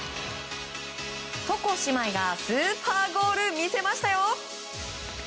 床姉妹がスーパーゴール見せましたよ！